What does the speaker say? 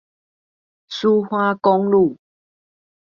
蘇花公路